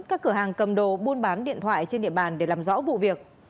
các cửa hàng cầm đồ buôn bán điện thoại trên địa bàn để làm rõ vụ việc